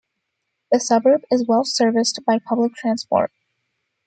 The suburb is well-serviced by public transport.